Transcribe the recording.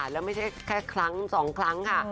แล้วไม่ใช่แค่ครั้ง๒ครั้งค่ะ